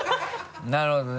なるほどね。